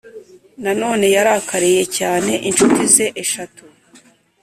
Nanone yarakariye cyane incuti ze eshatu